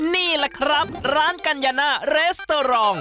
นี่แหละครับร้านกัญญานาเรสเตอร์รอง